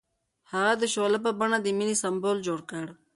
هغه د شعله په بڼه د مینې سمبول جوړ کړ.